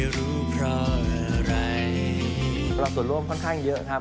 เราส่วนร่วมค่อนข้างเยอะครับ